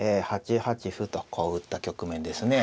８八歩とこう打った局面ですね。